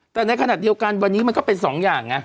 แต่ในขณะเดียวกันวันนี้มันก็เป็นสองอย่างไง